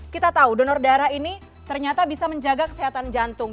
kita tahu donor darah ini ternyata bisa menjaga kesehatan jantung